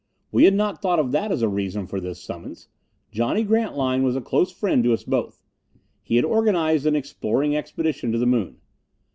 We had not thought of that as a reason for this summons. Johnny Grantline was a close friend to us both. He had organized an exploring expedition to the Moon.